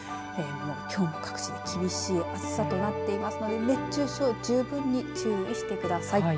きょうも各地で厳しい暑さとなっていますので熱中症十分に注意してください。